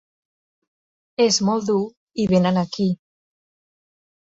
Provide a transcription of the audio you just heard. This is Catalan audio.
És molt dur i vénen aquí.